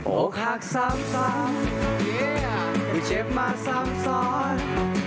โอ้ขักซ้ำซ้อนพูดเช็บมาซ้ำซ้อน